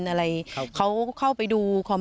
ไม่อยากให้มองแบบนั้นจบดราม่าสักทีได้ไหม